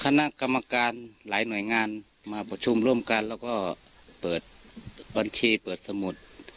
คณะกรรมการหลายหน่วยงานมาประชุมร่วมกันแล้วก็เปิดบัญชีเปิดสมุด